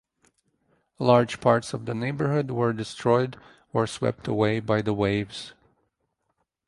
Large parts of the neighbourhood were destroyed or swept away by the waves.